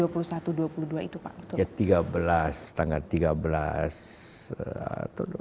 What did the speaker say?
pada aksi dua puluh satu dua puluh dua itu pak betul